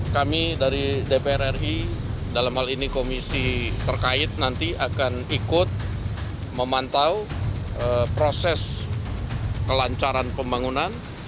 kami dari dpr ri dalam hal ini komisi terkait nanti akan ikut memantau proses kelancaran pembangunan